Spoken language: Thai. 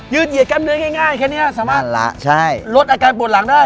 เหยียดกล้ามเนื้อง่ายแค่นี้สามารถลดอาการปวดหลังได้